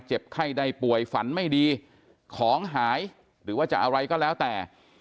ไข้ใดป่วยฝันไม่ดีของหายหรือว่าจะอะไรก็แล้วแต่